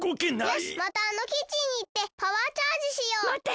よしまたあのキッチンにいってパワーチャージしよう！まって！